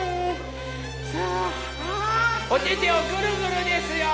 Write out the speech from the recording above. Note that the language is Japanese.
さあおててをぐるぐるですよ！